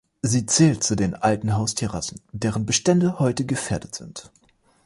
Sie zählt zu den alten Haustierrassen, deren Bestände heute gefährdet sind.